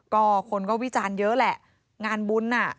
ก็คนก็วิจารณ์เยอะแหละงานบุญน่ะ